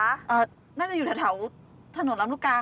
น่าจะอยู่ทะ่าวถนนล้ำลูกกล้า